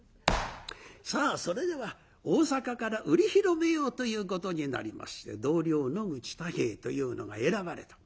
さあそれでは大坂から売り広めようということになりまして同僚野口太兵衛というのが選ばれた。